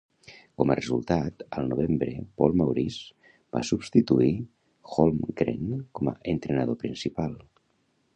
Com a resultat, al novembre Paul Maurice va substituir Holmgren com a entrenador principal.